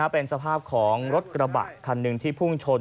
เป็นสภาพของรถกระบะคันหนึ่งที่พุ่งชน